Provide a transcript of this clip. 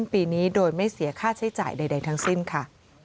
ปีนี้โดยไม่เสียค่าใช้จ่ายใดทั้งสิ้นค่ะ